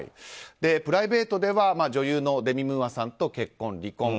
プライベートでは女優のデミ・ムーアさんと結婚、離婚。